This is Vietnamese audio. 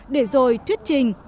để rồi thiết trình